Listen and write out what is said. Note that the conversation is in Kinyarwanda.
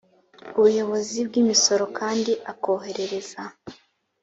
ubuyobozi bw’imisoro kandi akoherereza